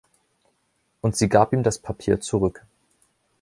Und sie gab ihm das Papier zurück.